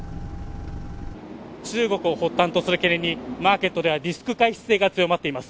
中国を発端とするマーケットではリスク回避性が強まっています。